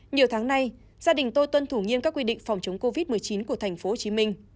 nhiều tháng nay gia đình tôi tuân thủ nghiêm các quy định phòng chống covid một mươi chín của tp hcm